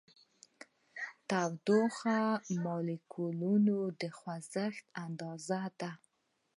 تودوخه د مالیکولونو د خوځښت اندازه ده.